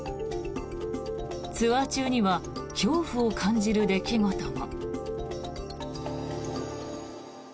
ツアー中には恐怖を感じる出来事も。